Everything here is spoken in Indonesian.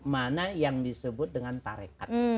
mana yang disebut dengan tarekat